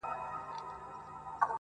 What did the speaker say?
کشپ غوښتل جواب ورکړي په ښکنځلو -